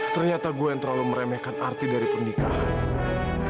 ternyata gue yang terlalu meremehkan arti dari pernikahan